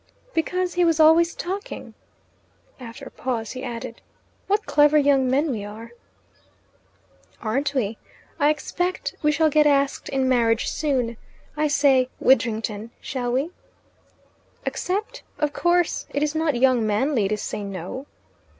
"Because he was always talking." After a pause he added, "What clever young men we are!" "Aren't we? I expect we shall get asked in marriage soon. I say, Widdrington, shall we ?" "Accept? Of course. It is not young manly to say no."